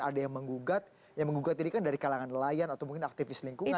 ada yang menggugat yang menggugat ini kan dari kalangan nelayan atau mungkin aktivis lingkungan